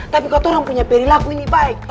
tapi katorang punya peri lagu ini baik